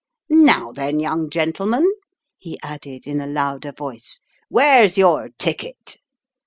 Now then, young gentleman," he added in a louder voice, "where's your ticket